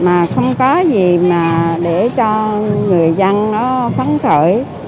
mà không có gì mà để cho người dân nó phấn khởi